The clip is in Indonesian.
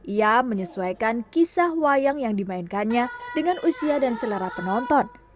ia menyesuaikan kisah wayang yang dimainkannya dengan usia dan selera penonton